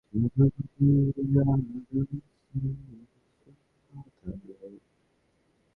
এ রাজ্য কখনোই তোমার ছিল না।